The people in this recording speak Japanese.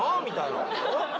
みたいな。